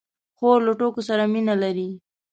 خور له ټوکو سره مینه لري.